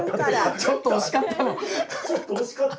ちょっと惜しかった。